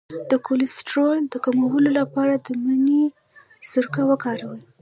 د کولیسټرول د کمولو لپاره د مڼې سرکه وکاروئ